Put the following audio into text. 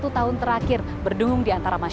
dalam satu tahun terakhir berdungung di antara masyarakat